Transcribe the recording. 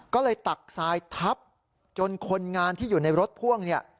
ก็เลยตักทรายทับจนคนงานที่อยู่ในรถพ่วงเนี่ย